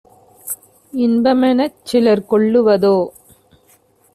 இன்பமெனச் சிலர் கொள்ளுவதோ?